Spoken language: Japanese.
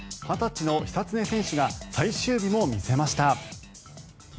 ２０歳の久常選手が最終日も見せました。